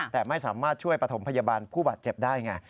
แต่ไม่สามารถช่วยประถมพยาบาลผู้บาดเจ็บได้ไง